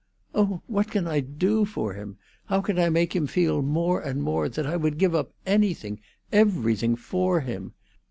"Oh, what can I do for him? How can I make him feel more and more that I would give up anything, everything, for him!